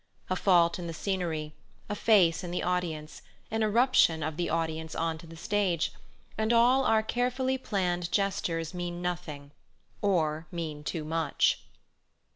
A fault in the scenery, a face in the audience, an irruption of the audience on to the stage, and all our carefully planned gestures mean nothing, or mean too much.